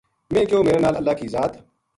میں کہیو میرے نال اللہ کی ذات